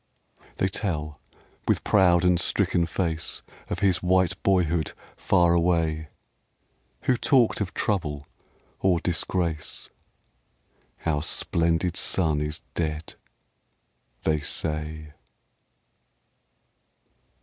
They tell, with proud and stricken face, Of his white boyhood far away Who talked of trouble or disgrace ?" Our splendid son is dead !" they say.